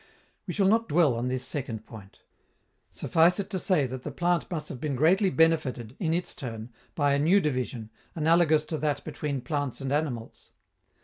We shall not dwell on this second point. Suffice it to say that the plant must have been greatly benefited, in its turn, by a new division, analogous to that between plants and animals.